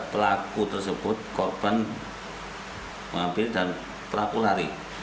pertama pelaku lari